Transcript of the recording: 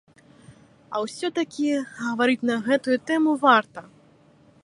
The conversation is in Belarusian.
А ўсё такі, гаварыць на гэтую тэму варта.